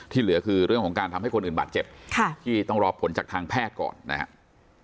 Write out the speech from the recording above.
เหลือคือเรื่องของการทำให้คนอื่นบาดเจ็บที่ต้องรอผลจากทางแพทย์ก่อนนะครับ